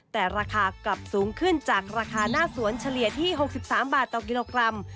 แต่ราคากลับสูงขึ้นจากราคาหน้าสวนเฉลี่ยที่๖๓บาทต่อกิโลกรัม